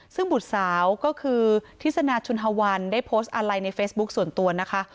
ซึ่งบุตรสาวก็คือทฤษณาชุนฮวันได้โพสต์อะไรในเฟซบุ๊คส่วนตัวนะคะ